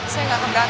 saya nggak akan berat